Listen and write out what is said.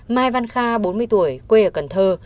mai văn kha bốn mươi tuổi quê ở cần thơ